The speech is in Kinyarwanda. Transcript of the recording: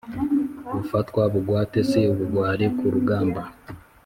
Gufatwa bugwate si ubugwari ku rugamba